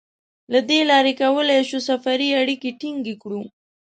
له دې لارې کولای شو سفري اړیکې ټینګې کړو.